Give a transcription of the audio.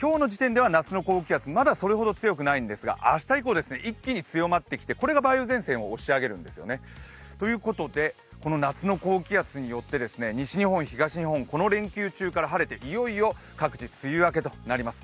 今日の時点では夏の高気圧まだそれほど強くないんですが明日以降、一気に強まってきてこれが梅雨前線を押し上げるんですね。ということで夏の高気圧によって、西日本、東日本、この連休中から晴れて各地、梅雨明けとなります。